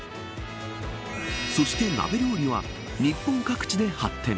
そして鍋料理は日本各地で発展。